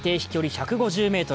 １５０ｍ